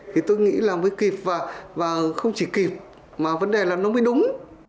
thì tôi nghĩ là mới kịp và không chỉ kịp mà vấn đề là nó mới đúng